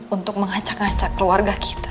untuk mengacak ngacak keluarga kita